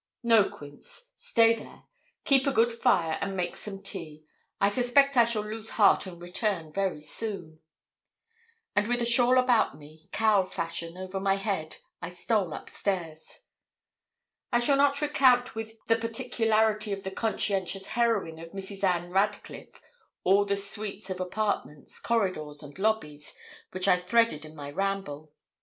'No, Quince; stay there; keep a good fire, and make some tea. I suspect I shall lose heart and return very soon;' and with a shawl about me, cowl fashion, over my head, I stole up stairs. I shall not recount with the particularity of the conscientious heroine of Mrs. Ann Radcliffe, all the suites of apartments, corridors, and lobbies, which I threaded in my ramble.